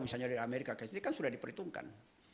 misalnya dari amerika ke sini kan sudah diperhitungkan